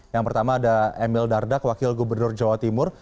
yang pertama ada emil dardak wakil gubernur jawa timur